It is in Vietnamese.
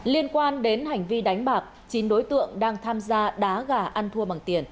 liên quan đến hành vi đánh bạc chín đối tượng đang tham gia đá gà ăn thua bằng tiền